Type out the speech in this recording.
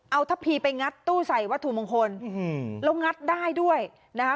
เอาทะพีไปงัดตู้ใส่วัตถุมงคลแล้วงัดได้ด้วยนะคะ